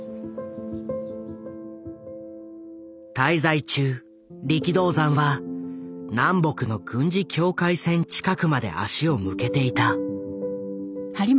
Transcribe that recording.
滞在中力道山は南北の軍事境界線近くまで足を向けていた。